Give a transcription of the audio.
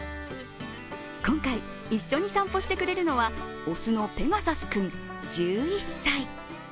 今回一緒に散歩してくれるのは雄のペガサス君１１歳。